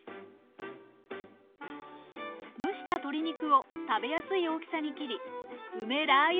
蒸した鶏肉を食べやすい大きさに切り梅ラー油